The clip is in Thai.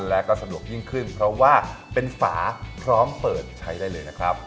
และก็สะดวกยิ่งขึ้นเพราะว่าเป็นฝาพร้อมเปิดใช้ได้เลยนะครับ